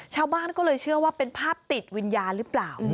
ชาวบ้านก็เลยเชื่อว่าเป็นภาพติดวิญญาณหรือเปล่า